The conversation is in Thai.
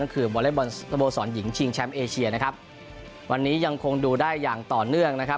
ก็คือวอเล็กบอลสโมสรหญิงชิงแชมป์เอเชียนะครับวันนี้ยังคงดูได้อย่างต่อเนื่องนะครับ